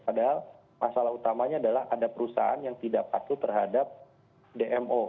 padahal masalah utamanya adalah ada perusahaan yang tidak patuh terhadap dmo